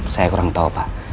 saya kurang tahu pak